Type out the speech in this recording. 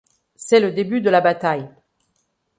C'est le début de la bataille.